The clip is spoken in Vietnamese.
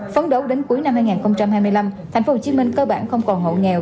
phấn đấu đến cuối năm hai nghìn hai mươi năm thành phố hồ chí minh cơ bản không còn hộ nghèo